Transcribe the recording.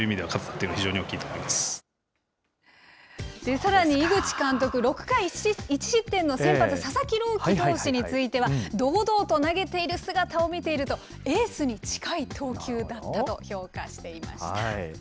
さらに井口監督、６回１失点の先発、佐々木朗希投手については、堂々と投げている姿を見ていると、エースに近い投球だったと評価していました。